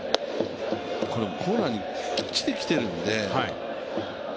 コーナーにきっちり来てるんで。